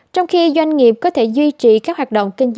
trong khi doanh nghiệp có thể duy trì các hoạt động kinh doanh